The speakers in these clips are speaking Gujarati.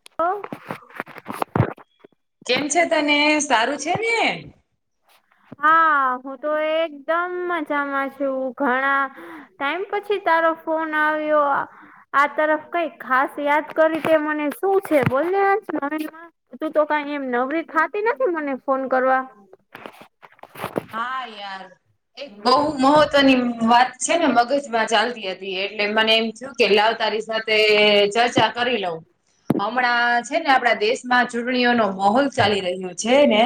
હ [unintelligible] કેમ છે તને સારું છે ને? હા હું તો એકદમ મજામાં છું ઘણા. ટાઈમ પછી તારો ફોન આવ્યો. આ તરફ કઈ ખાસ યાદ કરી તે મને શું છે બોલને આજ. તું તો કઈ એમ નવરીત ખાતી નથી મને ફોન કરવા. હા યાર, એક બહુ મહ ની વાત છે ને મગજમાં ચાલતી હતી એટલે મને એમ થયું. કે લાવ તારી સાથે ચર્ચા કરી લઉં. હમણાં છે ને આપણા દેશમાં ચૂંટણીઓનો માહોલ ચાલી રહ્યો છે ને.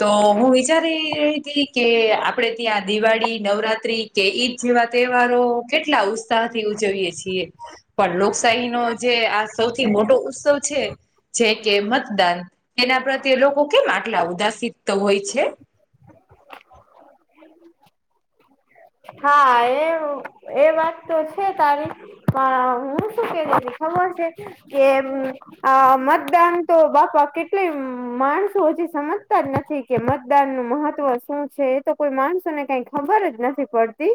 તો હું વિચારી કે આપણે ત્યાં દિવાળી નવરાત્રી કે ઈદ જેવા તહેવારો કેટલા ઉત્ ઉત્સાહ થી ઉજવીએ છીએ, પણ લોકશાહી નો જે આ સૌથી મોટો ઉત્સવ છે, જે કે મતદાન. એના પ્રત્યે લોકો કેમ આટલા ઉદાસીત હોય છે? હા એ એ વાત તો છે તારી. હ હું શું કે ખબર છે, કે આ મતદાન તો બાપા કેટલી માણસો હજી સમજતા જ નથી. કે મતદાન નું મહત્વ શું છે એ તો કોઈ માણસોને કઈ ખબર જ નથી પડતી.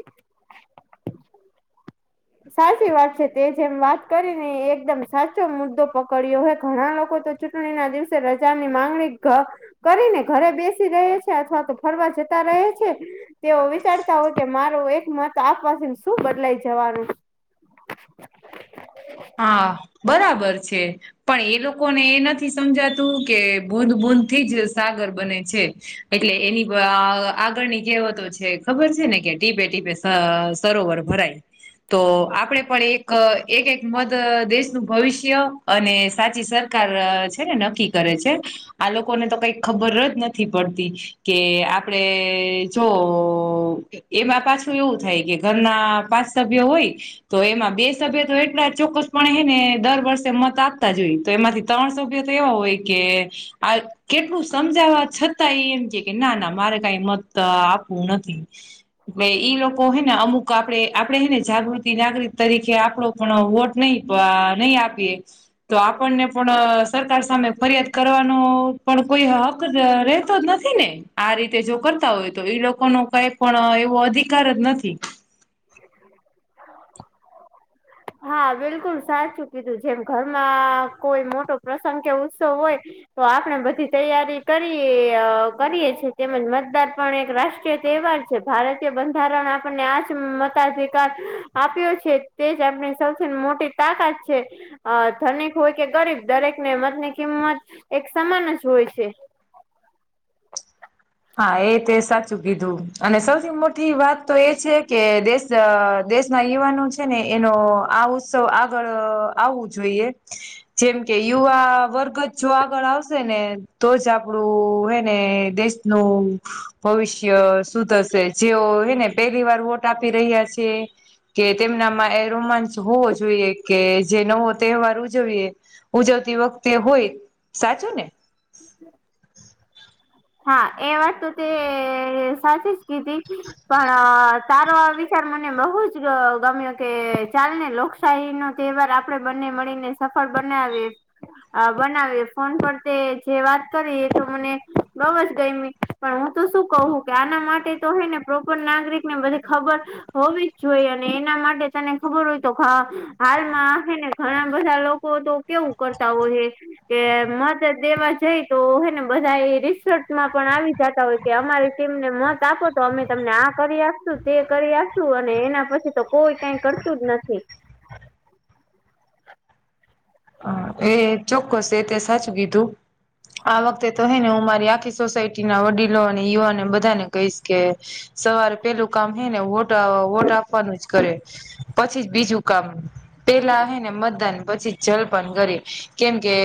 સાચી વાત છે તે જેમ વાત કરીને એકદમ સાચો મુદ્દો પકડ્યો હય ઘણા લોકો તો ચૂંટણી ના દિવસે પ્રજાની માંગણી કરીને ઘરે બેસી રહે છે અથવા તો ફરવા જતા રહે છે. તેઓ વિચારતા હોય કે મારો એક મત આપવાથી શું બદલાઈ જવાનું. [inaudible] હા બરાબર છે. પણ એ લોકોને એ નથી સમજાતું કે ભૂદ બૂદ થી જ સાગર બને છે. એટલે એની આગળની કહેવતો છે ખબર છે ને કે ટીપે ટીપે અ સરોવર ભરાય, તો આપણેે પણ એક એક એક મત દેશનું ભવિષ્ય અને સાચી સરકાર છે ને નક્કી કરે છે. આ લોકોને તો કઈ ખબર જ નથી પડતી કે આપડે જોવ, એમાં પાછું એવું થાય કે ઘરના પાંચ સભ્યો હોય તો એમાં બે સભ્ય તો એટલા જ ચોક્કસપણે હે ને, દર વર્ષે મત આપતા જ હોઈ, તો એમાંથી ત્રણ સભ્ય તો એવા હોય કે - આ કેટલું સમજાવા છતાં ઈ એમ કે કે ના ના મારે કઈ મત આપવું નથી ઈ લોકો હેને અમુક આપણે આપડે હેને જાગૃતિ નાગરિક તરીકે આપડો પણ વોટ નય પ નય આપીએ તો આપણને પણ અ સરકાર સામે ફરિયાદ કરવાનો પણ કોઈ હક રહેતો જ નથી ને, આ રીતે જો કરતા હોય તો ઈ લોકોનું કઈ પણ એવું અધિકાર જ નથી. હા બિલકુલ સાચું કીધું જેમ ઘરમાં કોઈ મોટો પ્રસંગ કે ઉત્સવ હોય તો આપણે બધી તૈયારી કરીએ કરીએ છીએ, તેમજ મતદાર પણ એક રાષ્ટ્રીય તહેવાર- કે ભારતીય બંધારણ આપણને આજ મતાધિકાર આપ્યો છે તે જ આપણે સૌથી મોટી તાકાત છે. અ ધનિક હોય કે ગરીબ દરેકને મત ની કિંમત એક સમાન જ હોય છે હા એ તે સાચું કીધું અને સૌથી મોટી વાત તો એ છે કે દેશ અ દેશના યુવાનો છે ને, એનો આ ઉત્સવ આગળ આવવું જોઈએ- જેમ કે યુવા વર્ગ જ જો આગળ આવશે ને તો જ આપડું હેને દેશનું, ભવિષ્ય સુુધર શે, જેઓ હેને પેલી વાર વોટ આપી રહ્યા છે. કે તેમનામાં એ રોમાંચ હોવો જોઈએ કે જે નવો તહેવાર ઉજવીએ, ઉજવતી વખતે હોય, સાચું ને? [unintelligible] હા એ વાત તો તે સાચી જ કીધી, પણ, તારો આ વિચાર મને બહુ જ ગમ્યો કે, ચાલ ને લોક- [unintelligible] નો તેવાર આપળે બંને મળીને સફળ બનાવીએ. -અ બનાવી ફોન પર તે જે વાત કરી એ તો મને- બો અજ ગયમી પણ હું તો શું કહું કે આના માટે તો હે ને પ્રોપર નાગરિક ને બધી ખબર -હોવી જ જોઈએ, અને એના માટે તને ખબર હોય તો કે હાલમા હેને ઘણા બધા લોકો તો- કેવું કરતા હોય છે કે મદ દેવા જઈ તો હને બધા રિસ્ક ચુટમાં પણ આવી જતા હોય કે અમારે કે તને મત આપો તો અમે તમને આ કરી આપશું તે કરી આપીશું અને એના પછી તો કોઈ કાઈ કરતું જ નથી હ એ ચોક્કસ એ તે સાચું કીધું આ વખતે તો હેને હું મારી આખી સોસાયટી ના વડીલો અને યુવાને બધાને કહીશ કે સવારે પેલું કામ હે ને, વોટ વોટ આપવાનું જ કરે. પછી જ બીજું કામ પેલા હે ને મતદાન પછી જ જલપાન કરીે કેમકે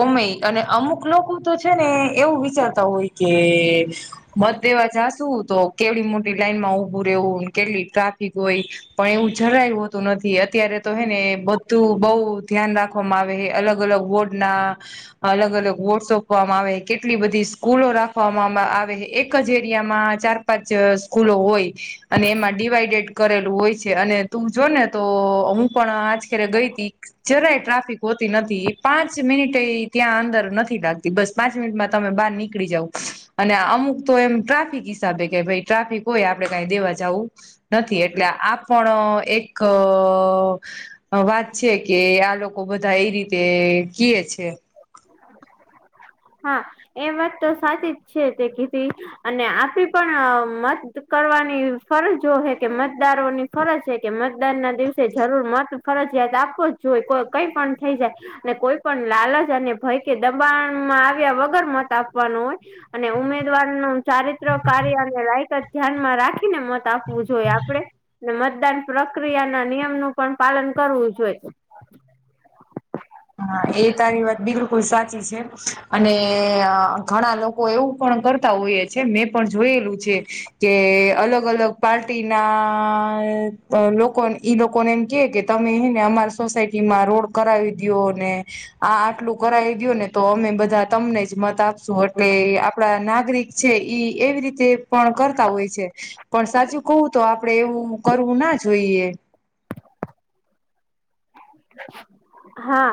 ઓમેય અને અમુક લોકો તો છે ને એવું વિચારતા હોય કે, મત દેવા જાશું તો કેટલી મોટી લાઈન માં ઉભું રહેવું કેટલી ટ્રાફિક હોય પણ એવું જરાયું હોતું નથી અત્યારે તો હે ને બધું બઉ ધ્યાન રાખવામાં આવે સે અલગ અલગ વોર્ડના અલગ અલગ વોર્ટ સોંપવામાં આવે કેટલી બધી સ્કૂલો રાખવામાં આવે એક જ એરિયામાં ચાર પાંચ સ્કૂલો હોય, અને એમાં ડિવાઈડેડ કરેલું હોય છે. અને તું જો ને તો હું પણ આજ ખેરે ગઈ હતી. જરાય ટ્રાફિક હોતી નથી પાંચ મિનિટે ત્યાં અંદર નથી લાગતી બસ. પાંચ મિનિટમાં તમે બહાર નીકળી જાવ, અને અમુક તો એમ ટ્રાફિક હિસાબે કે ભાઈ. ટ્રાફિક હોય આપડણે કઈ દેવા જવું નથી, એટલે આપણ એક વાત છે. કે આ લોકો બધા એ રીતે કિયે છે. હા એ વાત તો સાચી જ છે, તે કીધી અને આપી પણ મત કરવાની ફરજો હે કે મતદારોની ફરજ છે કે મતદાન ના દિવસે જરૂર મત ફરજયાત આપવો જ જોઈ કઈ પણ થઈ જાય. ને કોઈ પણ લાલચ ને ભય કે દબાણમાં આવ્યા વગર મત આપવાનું હોય, અને ઉમેદવાર ન ચારિત્ર કાર્ય અને લાયકાત ધ્યાનમાં રાખીને મત આપવું જોઈ આપણે, ને મતદાન પ્રક્રિયા ના નિયમ નું પણ પાલન કરવું જોઈએ. હા એ તારી વાત બિલકુલ સાચી છે, અને ઘણા લોકો લોકો એવું પણ કરતા હોઈએ છે મેં પણ જોયેલું છે, કે અલગ અલગ પાર્ટી ના લોકો ઈ લોકોને એમ કે કે તમે એ ને અમાર સોસાયટી માં રોડ કરાવી દીયો ને આ આટલું કરાવી દીયો ને તો અમે બધા તમને જ મત આપશું, એટલે આપડા નાગરિક છે ઈ એવી રીતે પણ કરતા હોય છે. પણ સાચું કવું તો આપડે એવું કરવું ના જોઈએ. [inaudible] હા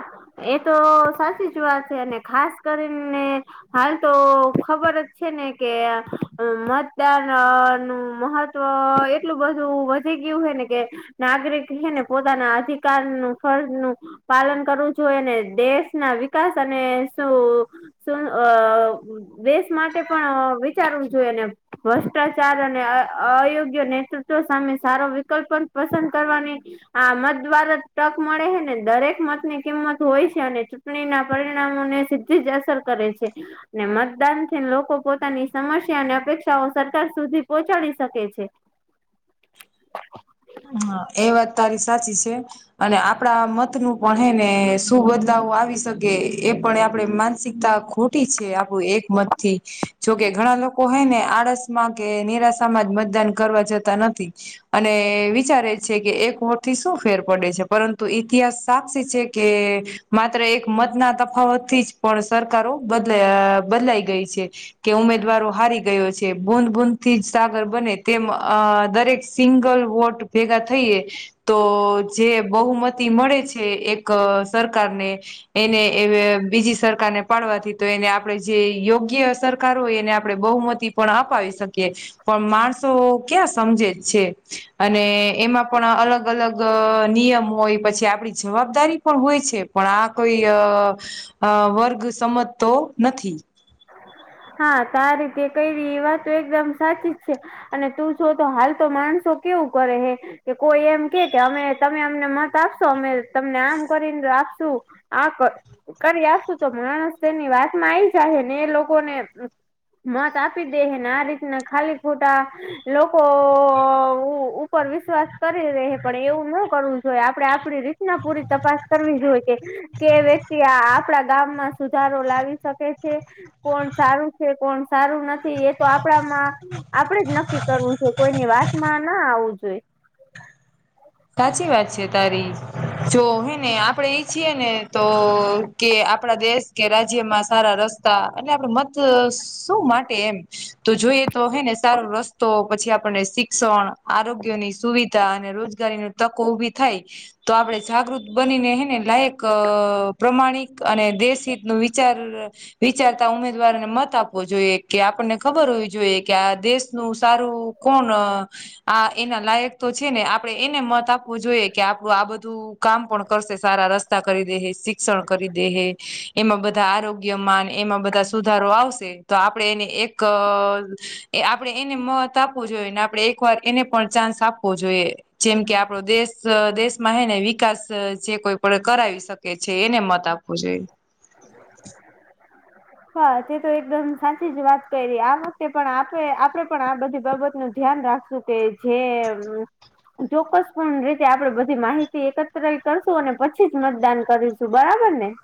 એ તો સાચી જ વાત છે, અને ખાસ કરીને હાલ તો ખબર જ છે ને કે, અ મતદાન નું મહત તો એટલું બધું વધી ગીયું હે ને, કે નાગરિક હે ને પોતાના અધિકારનું ફરજ નું, પાલન કરવું જોઈને દેશ ના વિકાસ અને શું શું અ દેશ માટે પણ વિચારવું જોઈએ ને ભ્રષ્ટાચાર અને અ અયોગ્ય નેતૃત્વ સામે સારો વિકલ્પ પસંદ કરવાની હા મત દ્વારજ ટક મળે હે ને દરેક મતની કિંમત હોય છે અને ચૂંટણીના પરિણામોને સી ધીજ અસર કરે છે. ને મતદાન થી લોકો પોતાની સમસ્યા અને અપેક્ષાઓ સરકાર સુધી પોહોંચાડી શકે છે. હા એ વાત તારી સાચી છે. અને આપડા મત નું પણ હે ને શું બદલાવ આવી શકે એ પણ આપણે માનસિકતા ખોટી છે આપણું એક મત થી. જોકે ઘણા લોકો હોય ને આળસ માં કે નિરાશામાં જ મતદાન કરવા જતા નથી. અને એ વિચારે છે કે એક વોટ થી શું ફેર પડે છે પરંતુ ઇતિહાસ સાક્ષી છે કે માત્ર એક મત ના તફાવત થી જ પણ સરકારો બદલા બદલાઈ ગઈ છે. કે ઉમેદવારો હારી ગયો છે બૂદ બૂદથી જ સાગર બને તેમ અ દરેક સિંગલ વોટ ભેગા થઈએ, તો જે બહુમત તી મળે છે એક સરકારને. એને એવ બીજી સરકારને પાડવાથી તો એને આપડે જે યોગ્ય સરકાર હોય એને આપડે બહુમ તી પણ અપાવી શકીએ, પણ માણસો ક્યાં સમજે છે. અને એમાં પણ અલગ અલગ નિયમ હોય પછી આપડી જવાબદારી પણ હોય છે. પણ આ કોઈ, અ અ વર્ગ સમજતો નથી. હા તો આ રીતે કયરી એ વાતો એકદમ સાચી જ છે. અને તું સો તો હાલ તો માણસો કેવું કરે હે કે કોઈ એમ કે કે અમે તમે અમને મત આપશો અમે તમને આમ કરીને આપશું આ ક કરી આપશું તો માણસ તો તેની વાત માં આઈ જાહે ને એ લોકોને મત આપી દેહે ને આ રીતના ખાલી ખોટા લોકો ઓ ઉપર વિશ્વાસ કરી રેહે પણ એવું ન કરવું જોઈએ આપડે આપડી રીત ના પૂરી તપાસ કરવી જોઇએ કે કે વ્યક્તિ આ આપડા ગામમાં સુધારો લાવી શકે છે કોણ સારું છે કોણ સારું નથી એ તો આપડામાં આપડે જ નક્કી કરવું જોય કોઈની વાત માં ના આવવું જોઈ સાચી વાત છે તારી, જો હે ને આપડે ઈછીએ ને તો કે આપડા દેશ કે રાજ્યમાં સારા રસ્તા એને આપડે મત શું માટે એમ તો જોઈએ તો હે ને સારો રસ્તો પછી આપણને શિક્ષણ આરોગ્યની સુવિધા અને રોજ ગારીની તકો ઉભી થાય, તો આપડે જાગૃત બનીને હે ને લાયક પ્રમાણિક અને દેશ હિત નું વિચાર વિચારતા ઉમેદવારોને મત આપવો જોઈએ. કે આપણને ખબર હોવી જોઈએ કે આ દેશનું તારું કોણ અ આ એના લાયક તો છે ને આપ પણે એને મત આપવું જોઈએ, કે આપણું આ બધું કામ પણ કરશે સારા રસ્તા કરી દેહે શી ક્ષણ કરી દેહે, એમાં બધા આરોગ્ય માન, એમાં બધા સુધારો આવશે. તો આપડે એને એક એ આપડે એને મત આપવું જોઈએ, ને આપડે એક વાર એને પણ ચાન્સ આપવો જોઈએ. જેમ કે આપડો દેશ, દેશમાં હે ને વિકાસ જે કોઈ પણ કરાવી શકે. કે છે એને મત આપવો જોઈએ. [inaudible] હા તે તો એકદમ સાચી જ વાત કરી આ વખતે પણ આપણે આપડે પણ આ બધી બાબત નું ધ્યાન રાખશું. તે જે. ચોક્કસ પૂર્ણ રીતે આપડે બધી માહિતી એકત્ર કરશું, અને પછી જ મતદાન કરીશું. શું બરાબર ને?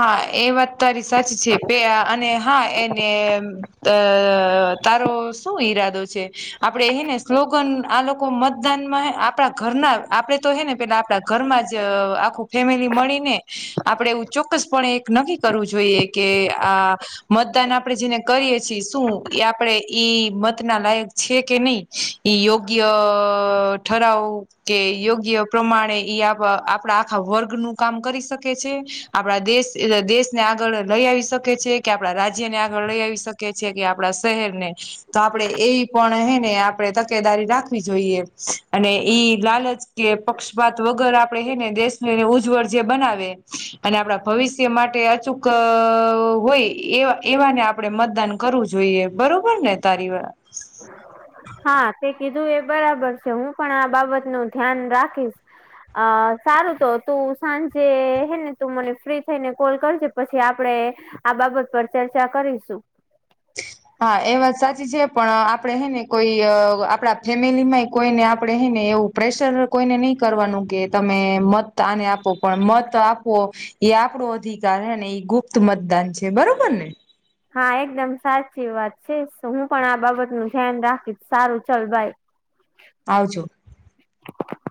હા એ વાત તારી સાચ છે, પે અને હા એને. અ તારો શું ઈરાદો છે, આપડે હે ને સ્લોગન આલો કો મતદાનમાં હે, આપણા ઘરના આપડે તો હે ને પેલા આપણા ઘરમાં જ આખું. ફેમિલી મળીને આપણેે એવું ચોક્કસપ એક નક્કી કરવું જોઈએ કે આ. મતદાન આપણેે જેને કરીએ છીએ શું એ આપડે ઈ મત ના લાયક છે કે નહી? ઇ યોગ્ય ઠરાવ. કે યોગ્ય પ્રમાણે ઇ આપ આપણા આખા વર્ગ નું કામ કરી શક કે છે, આપણા દેશ દેશને આગળ લઈ આવી શકે છે, કે આપણા રાજ્ય ને આગળ લઈ આવી શક કે છે, કે આપડા શહેર ને. તો આપડણે એવી પણ હે ને આપણે તકેદારી રાખવી જોઈએ અને ઈ લાલચ. કે પક્ષપાત વગર આપડે હે ને દેશ એને ઉજ્જ વરજીય બનાવે. અને આપડા ભવિષ્ય માટે અચૂક હોય એ એવાને આપ આપડે મતદાન કરવું જોઈએ બરોબર ને તારી વા હા તે કીધું એ બરાબર છે, હું પણ આ બાબત નું ધ્યાન રાખીશ. અ સારું તો તું સાંજે હે ને તું મને ફ્રી થઈને કોલ કરજે પછી આપડે. આ બાબત પર ચર્ચા કરીશું. હા એ વાત સાચી છે, પણ આપડણે હે ને કોઈ આપણા ફેમિલી માંય કોઈ ને આપડણે હે ને એવું. પ્રેશર કોઈને નહીં કરવાનું કે તમે મત આને આપો પણ મત આપો. એ આપણો અધિકાર હે ને એ ગુપ્ત મતદાન છે બરોબર ને. હા એકદમ સાચી વાત છે હું પણ આ બાબત નું ધ્યાન રાખીશ સારું ચાલ બાય. આવજો. [unintelligible]